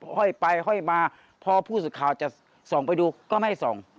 ค่อยไปค่อยมาพอผู้สุขาวจะส่องไปดูก็ไม่ให้ส่อง